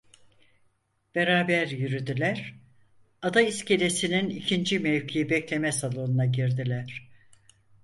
Beraber yürüdüler, Ada iskelesinin ikinci mevki bekleme salonuna girdiler…